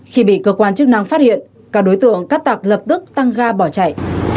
khi bị cơ quan chức năng phát hiện các đối tượng cát tật lập tức tăng ga bỏ chạy